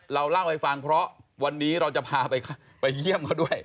เราเล่าให้ฟังเพราะวันนี้เราจะพาไปเยี่ยมเขาด้วย